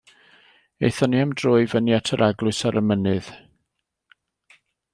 Aethon ni am dro i fyny at yr eglwys ar y mynydd.